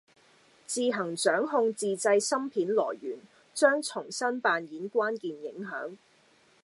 自行掌控自制芯片來源，將重新扮演關鍵影響。